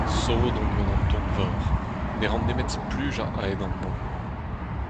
Sot on gant an donvor. Ne ran nemet splujañ a-hed an hañv.